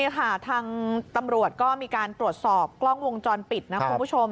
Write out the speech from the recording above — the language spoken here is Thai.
นี่ค่ะทางตำรวจก็มีการตรวจสอบกล้องวงจรปิดนะคุณผู้ชม